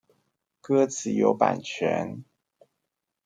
歌詞有版權